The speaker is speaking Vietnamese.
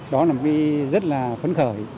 đó là một cái rất là phấn khởi